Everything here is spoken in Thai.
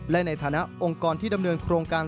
และในฐานะองค์กรที่ดำเนินโครงการ